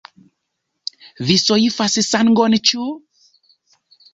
Vi soifas sangon, ĉu?